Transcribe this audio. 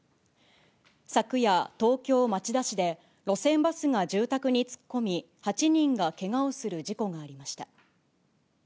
昨夜、東京・町田市で、路線バスが住宅に突っ込み、８人がけがをする事故がありました。